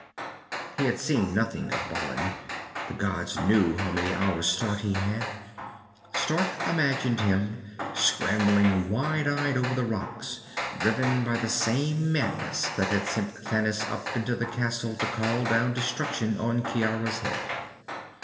He had seen nothing of Balin. The gods knew how many hours' start he had. Stark imagined him, scrambling wild eyed over the rocks, driven by the same madness that had sent Thanis up into the castle to call down destruction on Ciara's head.